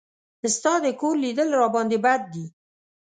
ستا د کور لیدل راباندې بد دي.